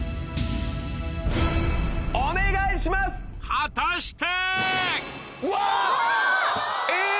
果たして！？